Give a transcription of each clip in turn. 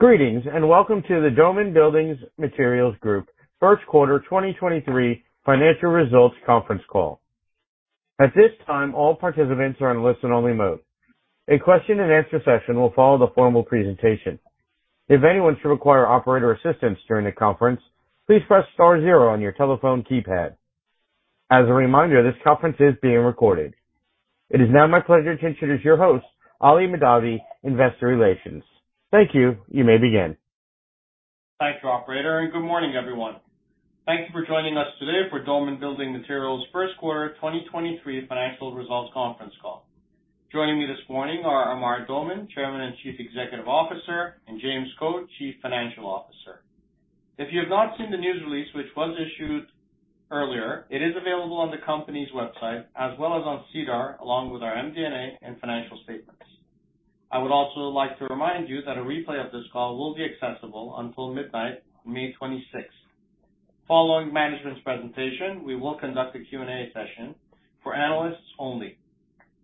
Greetings, and welcome to the Doman Building Materials Group Q1 2023 financial results conference call. At this time, all participants are on listen only mode. A question and answer session will follow the formal presentation. If anyone should require operator assistance during the conference, please press star zero on your telephone keypad. As a reminder, this conference is being recorded. It is now my pleasure to introduce your host, Ali Mahdavi, investor relations. Thank you. You may begin. Thanks, operator, and good morning, everyone. Thank you for joining us today for Doman Building Materials Q1 2023 financial results conference call. Joining me this morning are Amar S. Doman, Chairman and Chief Executive Officer, and James Code, Chief Financial Officer. If you have not seen the news release which was issued earlier, it is available on the company's website as well as on SEDAR, along with our MD&A and financial statements. I would also like to remind you that a replay of this call will be accessible until midnight, May 26th. Following management's presentation, we will conduct a Q&A session for analysts only.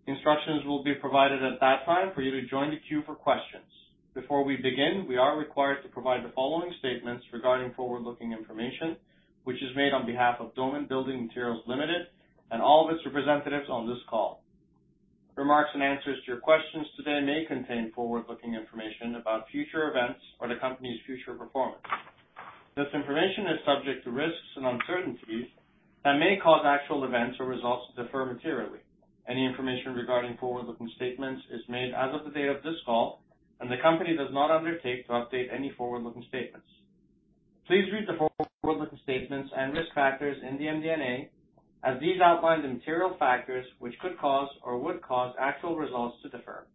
Instructions will be provided at that time for you to join the queue for questions. Before we begin, we are required to provide the following statements regarding forward-looking information, which is made on behalf of Doman Building Materials Group Ltd., and all of its representatives on this call. Remarks and answers to your questions today may contain forward-looking information about future events or the company's future performance. This information is subject to risks and uncertainties that may cause actual events or results to differ materially. Any information regarding forward-looking statements is made as of the day of this call, and the company does not undertake to update any forward-looking statements. Please read the forward-looking statements and risk factors in the MD&A as these outline the material factors which could cause or would cause actual results to differ.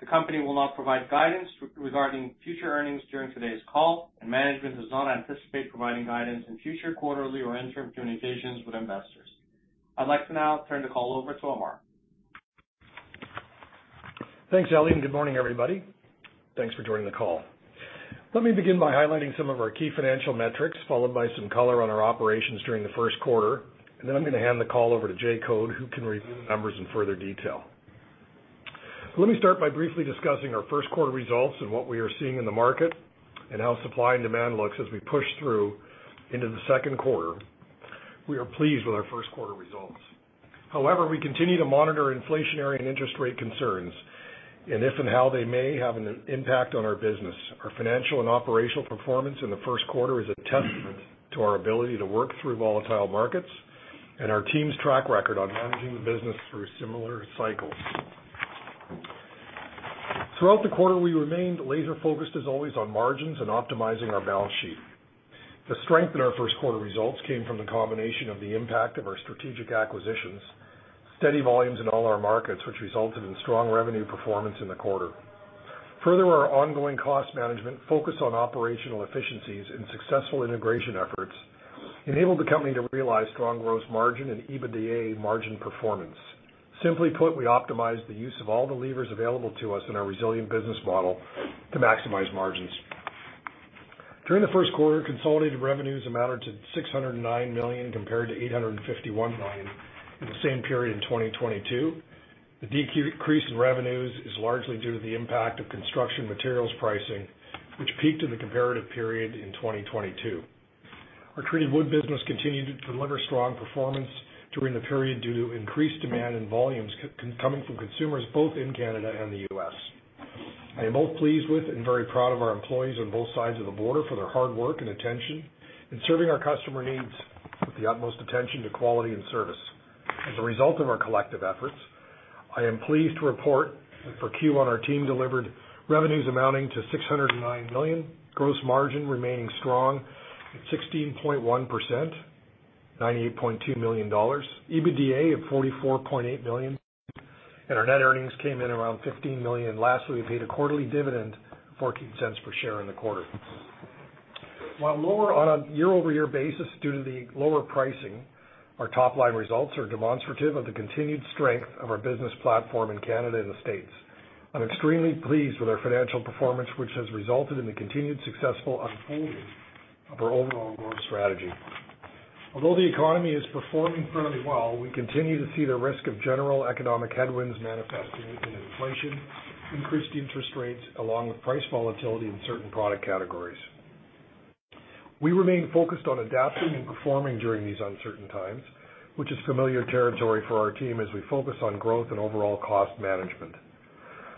The company will not provide guidance regarding future earnings during today's call, and management does not anticipate providing guidance in future quarterly or interim communications with investors. I'd like to now turn the call over to Amar. Thanks, Ali. Good morning, everybody. Thanks for joining the call. Let me begin by highlighting some of our key financial metrics, followed by some color on our operations during the Q1. Then I'm gonna hand the call over to Jay Code, who can review the numbers in further detail. Let me start by briefly discussing our Q1 results and what we are seeing in the market and how supply and demand looks as we push through into Q2. We are pleased with our Q1 results. However, we continue to monitor inflationary and interest rate concerns and if and how they may have an impact on our business. Our financial and operational performance in the Q1 is a testament to our ability to work through volatile markets and our team's track record on managing the business through similar cycles. Throughout the quarter, we remained laser-focused, as always, on margins and optimizing our balance sheet. The strength in our Q1 results came from the combination of the impact of our strategic acquisitions, steady volumes in all our markets, which resulted in strong revenue performance in the quarter. Our ongoing cost management focused on operational efficiencies and successful integration efforts enabled the company to realize strong gross margin and EBITDA margin performance. Simply put, we optimized the use of all the levers available to us in our resilient business model to maximize margins. During Q1, consolidated revenues amounted to 609 million compared to 851 million in the same period in 2022. The decrease in revenues is largely due to the impact of construction materials pricing, which peaked in the comparative period in 2022. Our treated wood business continued to deliver strong performance during the period due to increased demand and volumes coming from consumers both in Canada and the U.S. I am both pleased with and very proud of our employees on both sides of the border for their hard work and attention in serving our customer needs with the utmost attention to quality and service. As a result of our collective efforts, I am pleased to report that for Q1 our team delivered revenues amounting to 609 million, gross margin remaining strong at 16.1%, 98.2 million dollars, EBITDA of 44.8 million, and our net earnings came in around 15 million. Lastly, we paid a quarterly dividend of 0.14 per share in the quarter. While lower on a year-over-year basis due to the lower pricing, our top-line results are demonstrative of the continued strength of our business platform in Canada and the States. I'm extremely pleased with our financial performance, which has resulted in the continued successful unfolding of our overall growth strategy. Although the economy is performing fairly well, we continue to see the risk of general economic headwinds manifesting in inflation, increased interest rates, along with price volatility in certain product categories. We remain focused on adapting and performing during these uncertain times, which is familiar territory for our team as we focus on growth and overall cost management.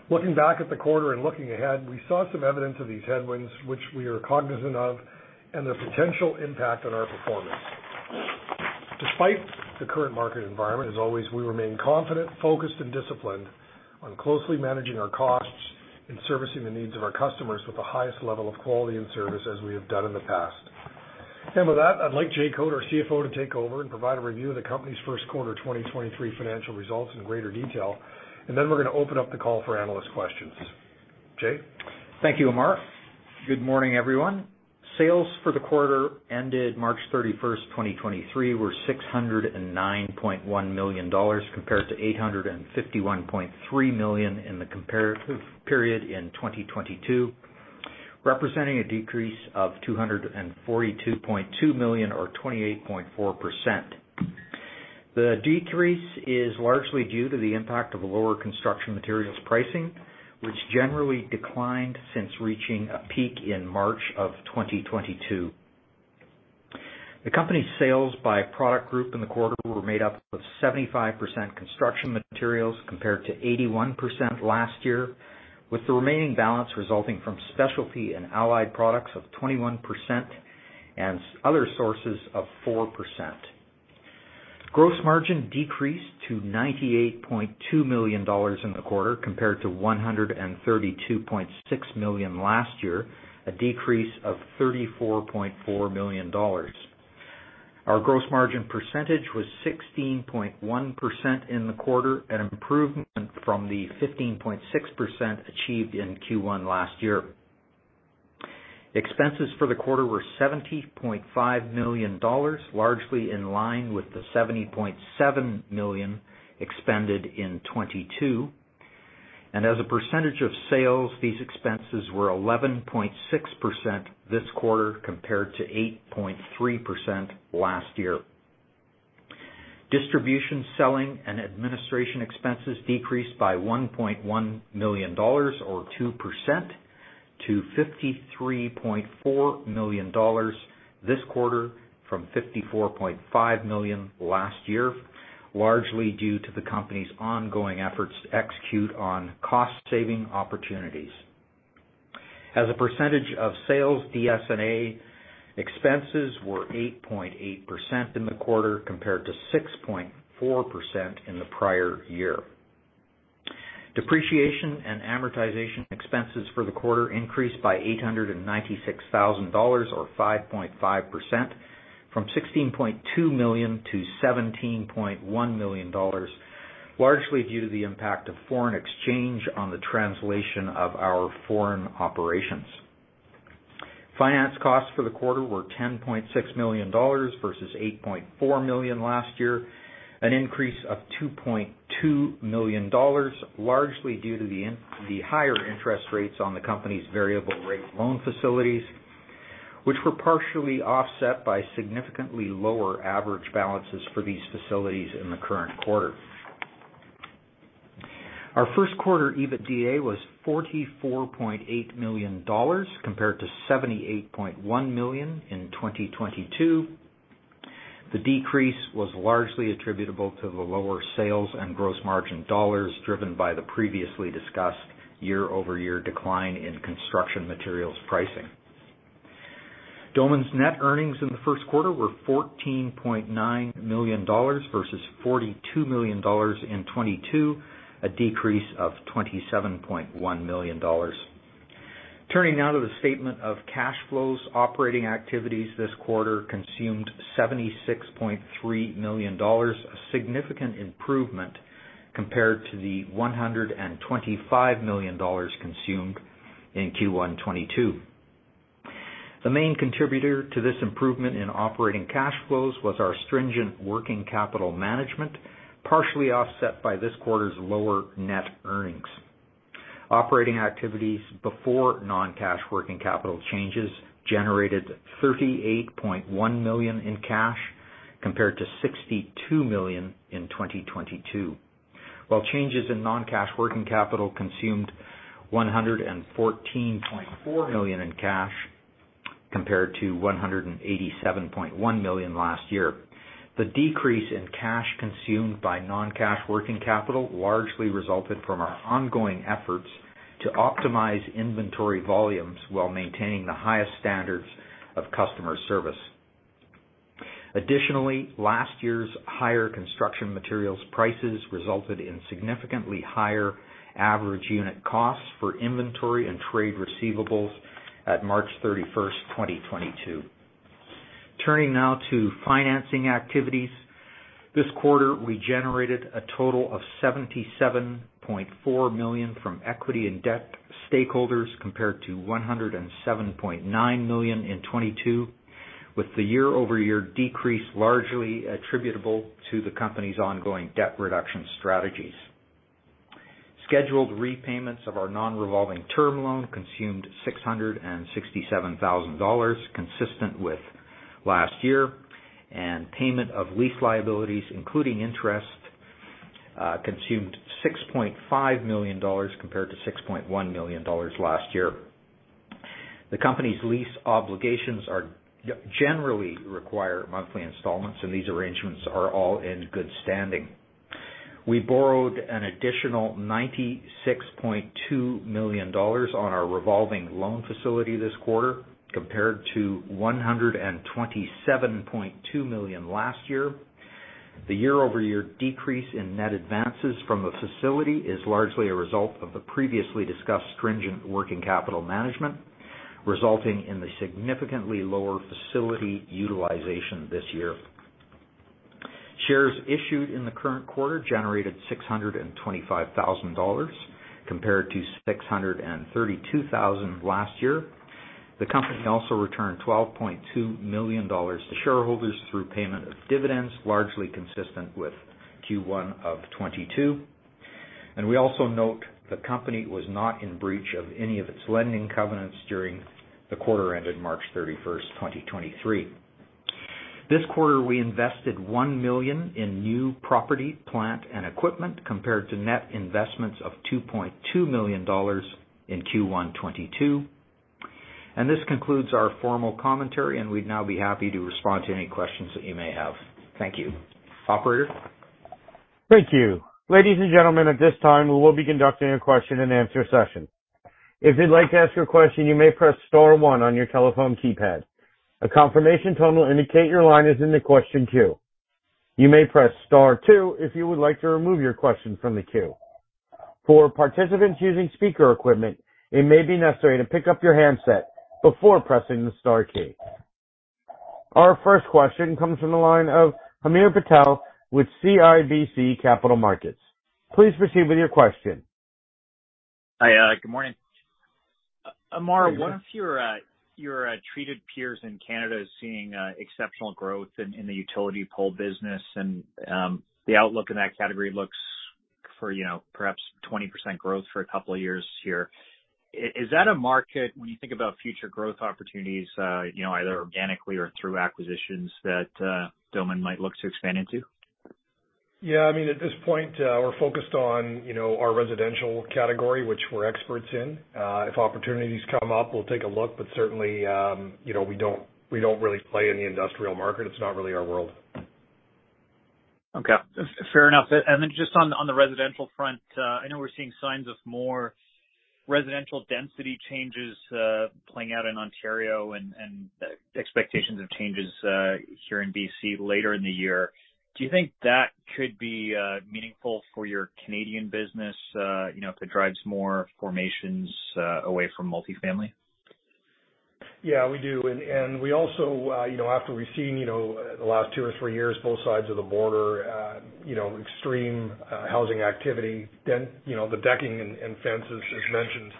Looking back at the quarter and looking ahead, we saw some evidence of these headwinds, which we are cognizant of and the potential impact on our performance. Despite the current market environment, as always, we remain confident, focused, and disciplined on closely managing our costs and servicing the needs of our customers with the highest level of quality and service as we have done in the past. With that, I'd like Jay Code, our CFO, to take over and provide a review of the company's Q1 2023 financial results in greater detail. Then we're gonna open up the call for analyst questions. Jay? Thank you, Amar. Good morning, everyone. Sales for the quarter ended March 31, 2023 were 609.1 million dollars compared to 851.3 million in the comparative period in 2022, representing a decrease of 242.2 million or 28.4%. The decrease is largely due to the impact of lower construction materials pricing, which generally declined since reaching a peak in March of 2022. The company's sales by product group in the quarter were made up of 75% construction materials compared to 81% last year, with the remaining balance resulting from specialty and allied products of 21% and other sources of 4%. Gross margin decreased to 98.2 million dollars in the quarter compared to 132.6 million last year, a decrease of 34.4 million dollars. Our gross margin percentage was 16.1% in the quarter, an improvement from the 15.6% achieved in Q1 last year. Expenses for the quarter were 70.5 million dollars, largely in line with the 70.7 million expended in 2022. As a percentage of sales, these expenses were 11.6% this quarter compared to 8.3% last year. Distribution, selling and administration expenses decreased by 1.1 million dollars or 2% to 53.4 million dollars this quarter from 54.5 million last year, largely due to the company's ongoing efforts to execute on cost saving opportunities. As a percentage of sales, DS&A expenses were 8.8% in the quarter compared to 6.4% in the prior year. Depreciation and amortization expenses for the quarter increased by 896,000 dollars, or 5.5% from 16.2 million to 17.1 million dollars, largely due to the impact of foreign exchange on the translation of our foreign operations. Finance costs for the quarter were 10.6 million dollars versus 8.4 million last year, an increase of 2.2 million dollars, largely due to the higher interest rates on the company's variable rate loan facilities, which were partially offset by significantly lower average balances for these facilities in the current quarter. Our Q1 EBITDA was 44.8 million dollars compared to 78.1 million in 2022. The decrease was largely attributable to the lower sales and gross margin dollars driven by the previously discussed year-over-year decline in construction materials pricing. Doman's net earnings in Q1 were 14.9 million dollars versus 42 million dollars in 2022, a decrease of 27.1 million dollars. Turning now to the statement of cash flows. Operating activities this quarter consumed 76.3 million dollars, a significant improvement compared to the 125 million dollars consumed in Q1 2022. The main contributor to this improvement in operating cash flows was our stringent working capital management, partially offset by this quarter's lower net earnings. Operating activities before non-cash working capital changes generated 38.1 million in cash compared to 62 million in 2022. Changes in non-cash working capital consumed 114.4 million in cash compared to 187.1 million last year. The decrease in cash consumed by non-cash working capital largely resulted from our ongoing efforts to optimize inventory volumes while maintaining the highest standards of customer service. Additionally, last year's higher construction materials prices resulted in significantly higher average unit costs for inventory and trade receivables at March 31, 2022. Turning now to financing activities. This quarter, we generated a total of 77.4 million from equity and debt stakeholders, compared to 107.9 million in 2022, with the year-over-year decrease largely attributable to the company's ongoing debt reduction strategies. Scheduled repayments of our non-revolving term loan consumed 667,000 dollars consistent with last year, and payment of lease liabilities, including interest, consumed 6.5 million dollars compared to 6.1 million dollars last year. The company's lease obligations generally require monthly installments, and these arrangements are all in good standing. We borrowed an additional 96.2 million dollars on our revolving loan facility this quarter, compared to 127.2 million last year. The year-over-year decrease in net advances from the facility is largely a result of the previously discussed stringent working capital management, resulting in the significantly lower facility utilization this year. Shares issued in the current quarter generated 625,000 dollars compared to 632,000 last year. The company also returned 12.2 million dollars to shareholders through payment of dividends, largely consistent with Q1 of 2022. We also note the company was not in breach of any of its lending covenants during the quarter ended March 31st, 2023. This quarter, we invested 1 million in new property, plant and equipment compared to net investments of 2.2 million dollars in Q1 2022. This concludes our formal commentary, and we'd now be happy to respond to any questions that you may have. Thank you. Operator? Thank you. Ladies and gentlemen, at this time, we will be conducting a question-and-answer session. If you'd like to ask a question, you may press star one on your telephone keypad. A confirmation tone will indicate your line is in the question queue. You may press star two if you would like to remove your question from the queue. For participants using speaker equipment, it may be necessary to pick up your handset before pressing the star key. Our first question comes from the line of Hamir Patel with CIBC Capital Markets. Please proceed with your question. Hi. Good morning. Good morning. Amar, one of your treated peers in Canada is seeing exceptional growth in the utility pole business and the outlook in that category looks for, you know, perhaps 20% growth for two years here. Is that a market when you think about future growth opportunities, you know, either organically or through acquisitions that Doman might look to expand into? I mean, at this point, we're focused on, you know, our residential category, which we're experts in. If opportunities come up, we'll take a look, but certainly, you know, we don't, we don't really play in the industrial market. It's not really our world. Okay, fair enough. Just on the residential front, I know we're seeing signs of more residential density changes, playing out in Ontario and expectations of changes, here in BC later in the year. Do you think that could be meaningful for your Canadian business, you know, if it drives more formations, away from multifamily? Yeah, we do. We also, you know, after we've seen, you know, the last two or three years, both sides of the border, you know, extreme housing activity, you know, the decking and fences, as mentioned,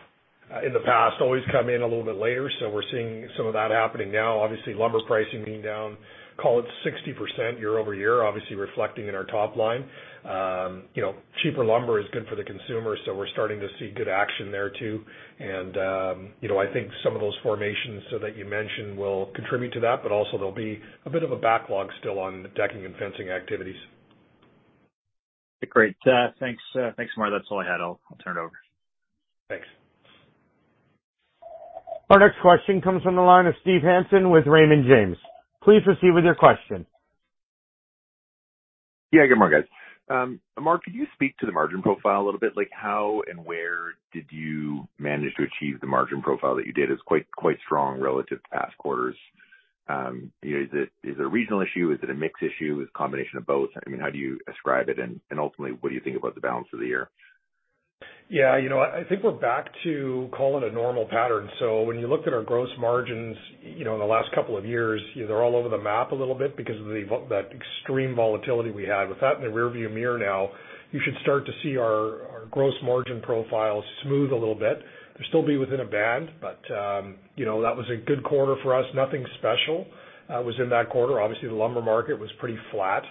in the past, always come in a little bit later. We're seeing some of that happening now. Obviously, lumber pricing being down, call it 60% year-over-year, obviously reflecting in our top line. You know, cheaper lumber is good for the consumer, we're starting to see good action there too. You know, I think some of those formations so that you mentioned will contribute to that, but also there'll be a bit of a backlog still on the decking and fencing activities. Great. Thanks. Thanks, Amar, that's all I had. I'll turn it over. Thanks. Our next question comes from the line of Steve Hansen with Raymond James. Please proceed with your question. Yeah, good morning, guys. Amar, could you speak to the margin profile a little bit? Like how and where did you manage to achieve the margin profile that you did? It's quite strong relative to past quarters. Is it a regional issue? Is it a mix issue? Is it a combination of both? I mean, how do you ascribe it, and ultimately, what do you think about the balance of the year? Yeah, you know, I think we're back to call it a normal pattern. When you looked at our gross margins, you know, in the last couple of years, they're all over the map a little bit because of that extreme volatility we had. With that in the rearview mirror now, you should start to see our gross margin profile smooth a little bit. They'll still be within a band, but, you know, that was a good quarter for us. Nothing special was in that quarter. Obviously, the lumber market was pretty flat.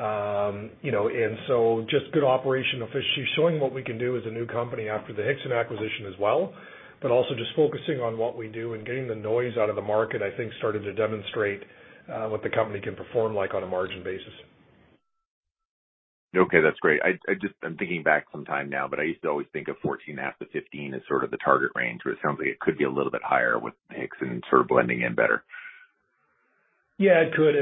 You know, just good operational efficiency, showing what we can do as a new company after the Hixson acquisition as well, but also just focusing on what we do and getting the noise out of the market, I think, started to demonstrate what the company can perform like on a margin basis. Okay, that's great. I just I'm thinking back some time now, but I used to always think of 14.5-15 as sort of the target range, but it sounds like it could be a little bit higher with Hixson sort of blending in better. Yeah, it could.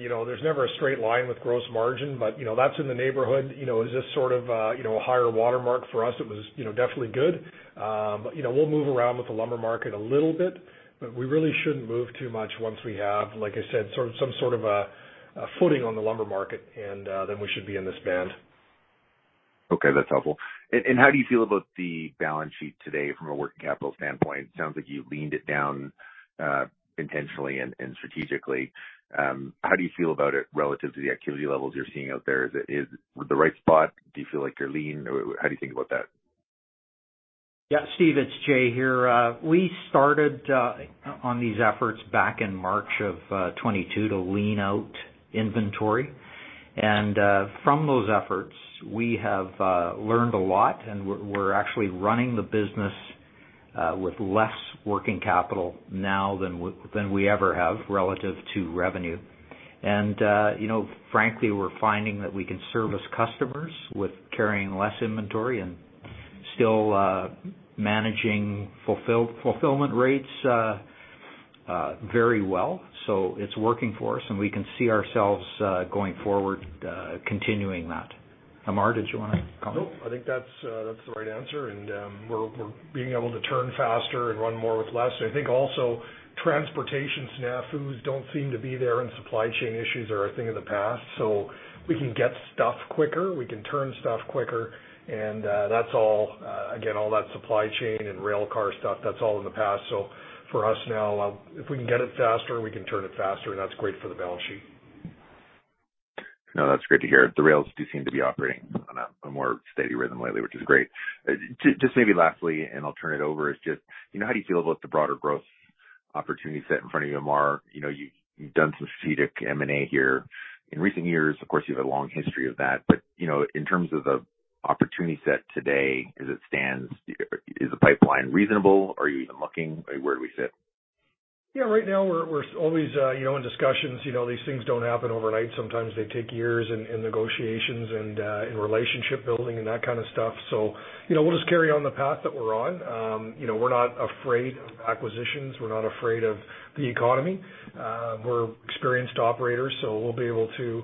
You know, there's never a straight line with gross margin, but, you know, that's in the neighborhood. You know, is this sort of, you know, a higher watermark for us? It was, you know, definitely good. You know, we'll move around with the lumber market a little bit, but we really shouldn't move too much once we have, like I said, sort of, some sort of a footing on the lumber market, we should be in this band. Okay, that's helpful. How do you feel about the balance sheet today from a working capital standpoint? It sounds like you leaned it down intentionally and strategically. How do you feel about it relative to the activity levels you're seeing out there? Is it in the right spot? Do you feel like you're lean? How do you think about that? Yeah, Steve, it's Jay here. We started on these efforts back in March of 2022 to lean out inventory. From those efforts, we have learned a lot, and we're actually running the business with less working capital now than we ever have relative to revenue. You know, frankly, we're finding that we can service customers with carrying less inventory and still managing fulfillment rates very well. It's working for us, and we can see ourselves going forward continuing that. Amar, did you wanna comment? Nope. I think that's the right answer. We're being able to turn faster and run more with less. I think also transportation snafus don't seem to be there, and supply chain issues are a thing of the past. We can get stuff quicker, we can turn stuff quicker, and that's all, again, all that supply chain and rail car stuff, that's all in the past. For us now, if we can get it faster, we can turn it faster, and that's great for the balance sheet. No, that's great to hear. The rails do seem to be operating on a more steady rhythm lately, which is great. Just maybe lastly, and I'll turn it over, is just, you know, how do you feel about the broader growth opportunity set in front of you, Amar. You know, you've done some strategic M&A here in recent years. Of course, you have a long history of that. You know, in terms of the opportunity set today as it stands, is the pipeline reasonable? Are you even looking? Where do we sit? Yeah, right now we're always, you know, in discussions. You know, these things don't happen overnight. Sometimes they take years in negotiations and in relationship building and that kind of stuff. You know, we'll just carry on the path that we're on. You know, we're not afraid of acquisitions. We're not afraid of the economy. We're experienced operators, so we'll be able to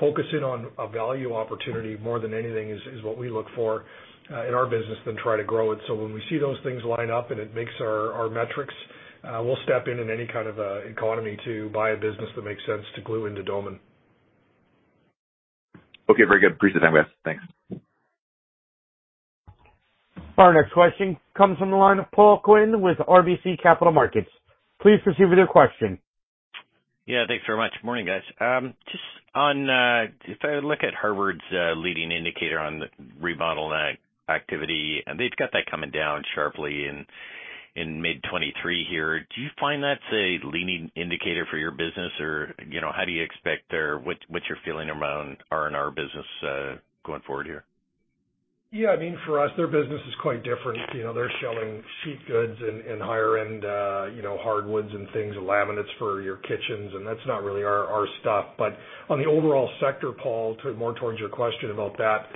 focus in on a value opportunity more than anything is what we look for in our business than try to grow it. When we see those things line up and it makes our metrics, we'll step in in any kind of an economy to buy a business that makes sense to glue into Doman. Okay. Very good. Appreciate the time guys. Thanks. Our next question comes from the line of Paul Quinn with RBC Capital Markets. Please proceed with your question. Yeah. Thanks very much. Morning, guys. Just on, if I look at Harvard's leading indicator on Remodeling Activity, and they've got that coming down sharply in mid-2023 here. Do you find that's a leading indicator for your business? You know, how do you expect or what's your feeling around R&R business going forward here? Yeah. I mean, for us, their business is quite different. You know, they're selling sheet goods and higher end, you know, hardwoods and things, laminates for your kitchens, that's not really our stuff. On the overall sector, Paul, more towards your question about that,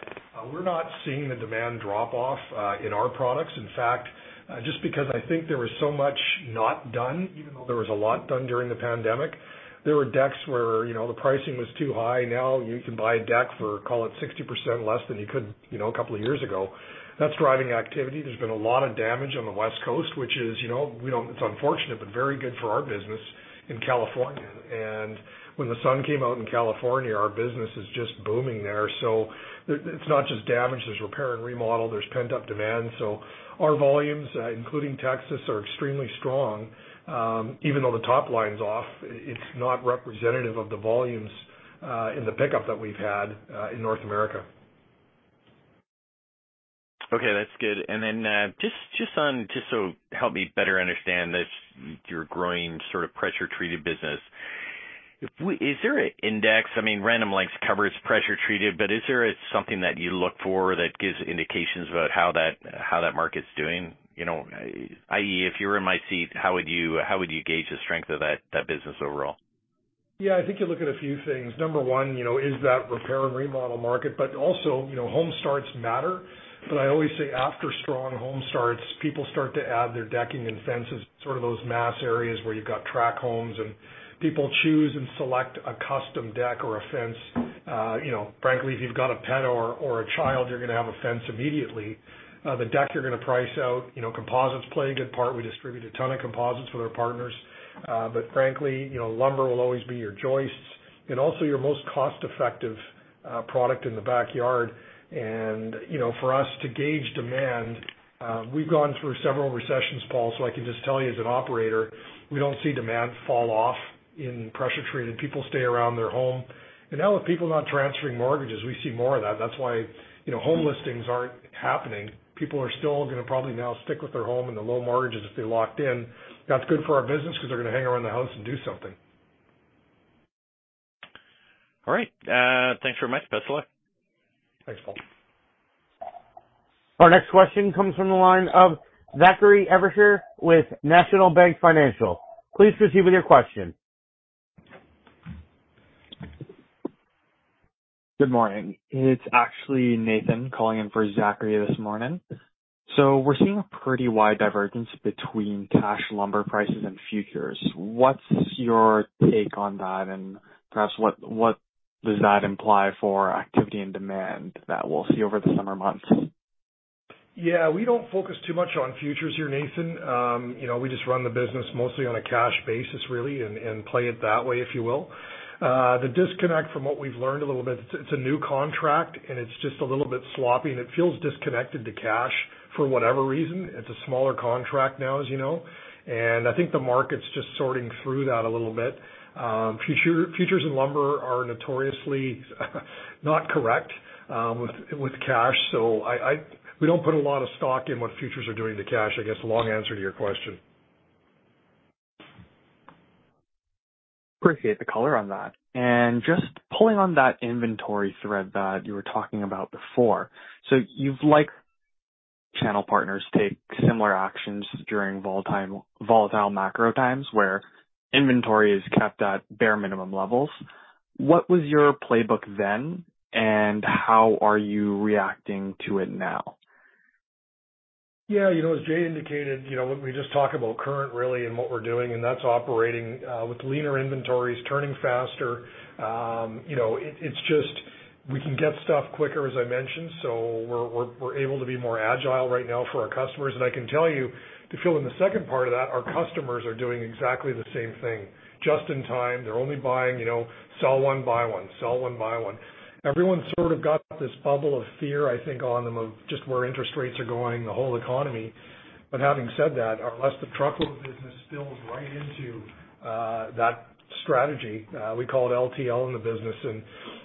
we're not seeing the demand drop off in our products. In fact, just because I think there was so much not done, even though there was a lot done during the pandemic, there were decks where, you know, the pricing was too high. Now you can buy a deck for, call it, 60% less than you could, you know, a couple of years ago. That's driving activity. There's been a lot of damage on the West Coast, which is, you know, it's unfortunate but very good for our business in California. When the sun came out in California, our business is just booming there. It's not just damage. There's repair and remodel, there's pent-up demand. Our volumes, including Texas, are extremely strong. Even though the top line's off, it's not representative of the volumes, and the pickup that we've had in North America. That's good. Just on... Just help me better understand this, your growing sort of pressure treated business. Is there an index? I mean, Random Lengths covers pressure treated, is there something that you look for that gives indications about how that market's doing? You know, if you were in my seat, how would you gauge the strength of that business overall? Yeah, I think you look at a few things. Number one, you know, is that repair and remodel market, but also, you know, home starts matter. I always say after strong home starts, people start to add their decking and fences, sort of those mass areas where you've got track homes and people choose and select a custom deck or a fence. You know, frankly, if you've got a pet or a child, you're gonna have a fence immediately. The deck you're gonna price out. You know, composites play a good part. We distribute a ton of composites with our partners. Frankly, you know, lumber will always be your joists and also your most cost effective product in the backyard. You know, for us to gauge demand, we've gone through several recessions, Paul, so I can just tell you as an operator, we don't see demand fall off in pressure treated. People stay around their home. Now with people not transferring mortgages, we see more of that. That's why, you know, home listings aren't happening. People are still gonna probably now stick with their home and the low mortgages if they're locked in. That's good for our business 'cause they're gonna hang around the house and do something. All right. Thanks very much. Best of luck. Thanks, Paul. Our next question comes from the line of Zachary Evershed with National Bank Financial. Please proceed with your question. Good morning. It's actually Nathan calling in for Zachary this morning. We're seeing a pretty wide divergence between cash lumber prices and futures. What's your take on that? Perhaps what does that imply for activity and demand that we'll see over the summer months? Yeah, we don't focus too much on futures here, Nathan. You know, we just run the business mostly on a cash basis really, and play it that way, if you will. The disconnect from what we've learned a little bit, it's a new contract and it's just a little bit sloppy and it feels disconnected to cash for whatever reason. It's a smaller contract now, as you know, and I think the market's just sorting through that a little bit. Futures in lumber are notoriously not correct, with cash. We don't put a lot of stock in what futures are doing to cash, I guess, long answer to your question. Appreciate the color on that. Just pulling on that inventory thread that you were talking about before. Like channel partners take similar actions during volatile macro times where inventory is kept at bare minimum levels. What was your playbook then, and how are you reacting to it now? Yeah. You know, as Jay indicated, you know, we just talk about current really and what we're doing, and that's operating with leaner inventories, turning faster. You know, it's just we can get stuff quicker as I mentioned, so we're able to be more agile right now for our customers. I can tell you to fill in the second part of that, our customers are doing exactly the same thing. Just in time, they're only buying, you know, sell one, buy one, sell one, buy one. Everyone's sort of got this bubble of fear, I think, on them of just where interest rates are going, the whole economy. Having said that, our less-than-truckload business spills right into that strategy. We call it LTL in the business, and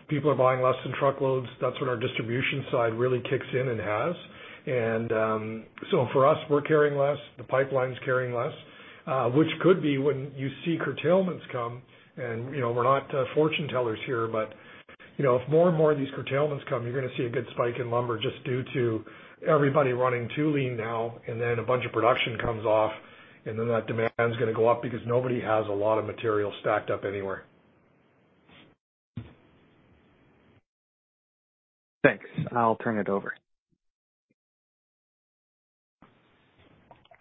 people are buying less than truckloads. That's when our distribution side really kicks in and has. For us, we're carrying less, the pipeline's carrying less, which could be when you see curtailments come. You know, we're not fortune tellers here, but, you know, if more and more of these curtailments come, you're gonna see a good spike in lumber just due to everybody running too lean now. A bunch of production comes off, and then that demand is gonna go up because nobody has a lot of material stacked up anywhere. Thanks. I'll turn it over.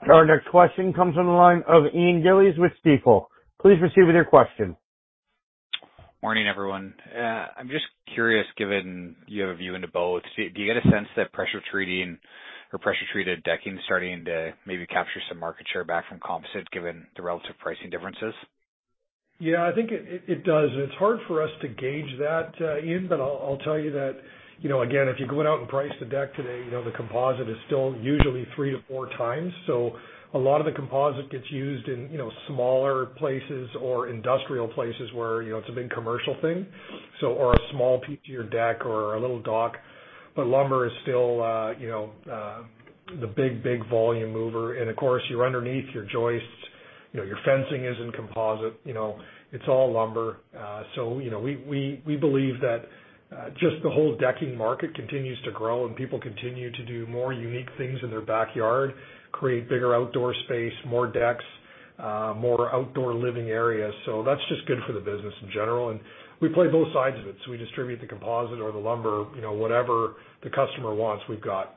Our next question comes from the line of Ian Gillies with Stifel. Please proceed with your question. Morning, everyone. I'm just curious, given you have a view into both. Do you get a sense that pressure treating or pressure treated decking starting to maybe capture some market share back from composite given the relative pricing differences? Yeah, I think it does. It's hard for us to gauge that, Ian, but I'll tell you that, you know, again, if you go out and price the deck today, you know, the composite is still usually three to four times. A lot of the composite gets used in, you know, smaller places or industrial places where, you know, it's a big commercial thing, so, or a small piece of your deck or a little dock. Lumber is still, you know, the big volume mover. Of course, you're underneath your joists. You know, your fencing is in composite. You know, it's all lumber. You know, we believe that, just the whole decking market continues to grow and people continue to do more unique things in their backyard, create bigger outdoor space, more decks, more outdoor living areas. That's just good for the business in general. We play both sides of it. We distribute the composite or the lumber. You know, whatever the customer wants, we've got.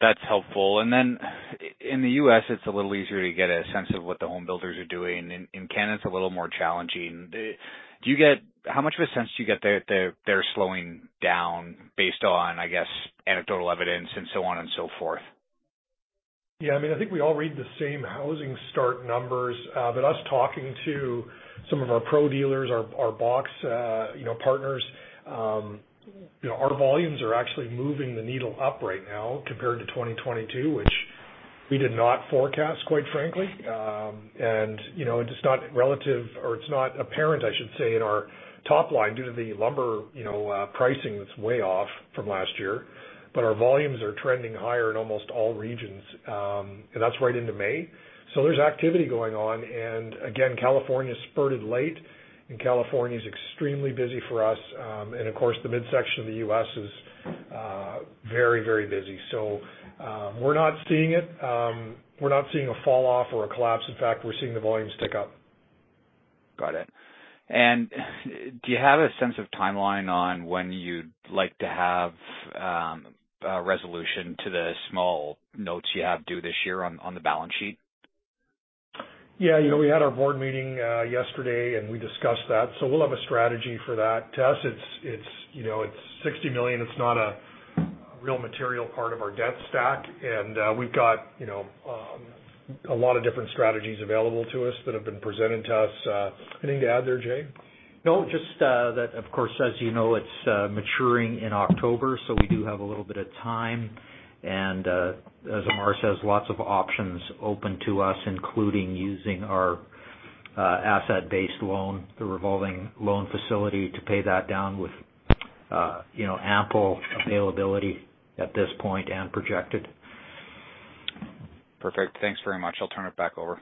That's helpful. Then in the U.S., it's a little easier to get a sense of what the home builders are doing. In Canada, it's a little more challenging. How much of a sense do you get that they're slowing down based on, I guess, anecdotal evidence and so on and so forth? Yeah, I mean, I think we all read the same housing start numbers. Us talking to some of our pro dealers, our box partners, our volumes are actually moving the needle up right now compared to 2022, which we did not forecast, quite frankly. It's not relative or it's not apparent, I should say, in our top line due to the lumber pricing that's way off from last year. Our volumes are trending higher in almost all regions, that's right into May. There's activity going on. Again, California spurted late, California is extremely busy for us. Of course, the midsection of the U.S. is very, very busy. We're not seeing it. We're not seeing a fall off or a collapse. In fact, we're seeing the volumes tick up. Got it. Do you have a sense of timeline on when you'd like to have resolution to the small notes you have due this year on the balance sheet? You know, we had our board meeting, yesterday, we discussed that. We'll have a strategy for that. To us, it's, you know, it's 60 million. It's not a real material part of our debt stack. We've got, you know, a lot of different strategies available to us that have been presented to us. Anything to add there, Jay? No, just that of course, as you know, it's maturing in October. We do have a little bit of time. As Amar says, lots of options open to us, including using our asset-based loan, the revolving loan facility, to pay that down with, you know, ample availability at this point and projected. Perfect. Thanks very much. I'll turn it back over.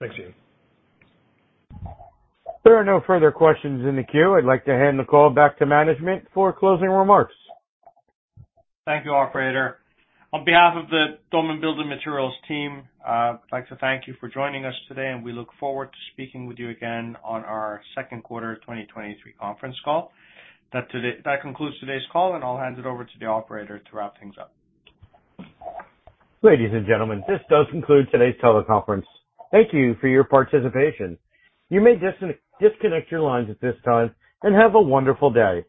Thanks, Ian. There are no further questions in the queue. I'd like to hand the call back to management for closing remarks. Thank you, operator. On behalf of the Doman Building Materials team, I'd like to thank you for joining us today, and we look forward to speaking with you again on our Q2 2023 conference call. That concludes today's call, and I'll hand it over to the operator to wrap things up. Ladies and gentlemen, this does conclude today's teleconference. Thank you for your participation. You may disconnect your lines at this time and have a wonderful day.